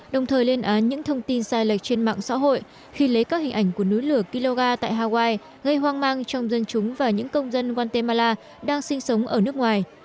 đồng thời lên án những thông tin sai lệch trên mạng xã hội khi lấy các hình ảnh của núi lửa kiloga tại hawaii gây hoang mang trong dân chúng và những công dân guatemala đang sinh sống ở nước ngoài